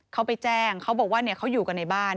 เขาไปแจ้งเขาบอกว่าเขาอยู่กันในบ้าน